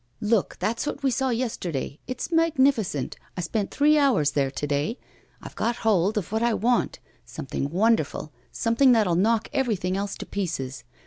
'Look, that's what we saw yesterday. It's magnificent. I spent three hours there to day. I've got hold of what I want something wonderful, something that'll knock everything else to pieces.